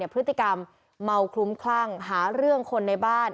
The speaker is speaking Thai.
พฤติกรรมเมาคลุ้มคลั่งหาเรื่องคนในบ้าน